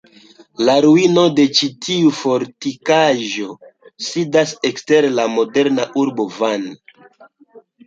La ruinoj de ĉi tiu fortikaĵo sidas ekster la moderna urbo Van.